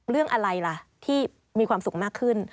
เรื่องอะไรล่ะที่มีความสุขมากขึ้น